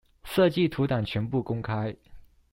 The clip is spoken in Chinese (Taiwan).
設計圖檔全部公開